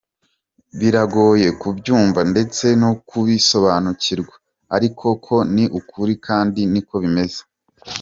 Biragoye kubyumva ndetse no kubisobanukirwa, ariko ni ukuri kandi niko bimeze.